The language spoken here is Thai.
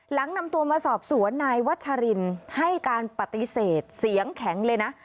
หลังนำตัวมาสอบสวนนายวัชรินให้การปฏิเสธเสียงแข็งเลยนะ